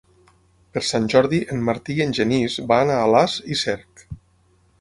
Per Sant Jordi en Martí i en Genís van a Alàs i Cerc.